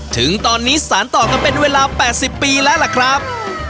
ถึงตอนนี้สารต่อกันเป็นเวลา๘๐ปีแล้วล่ะครับ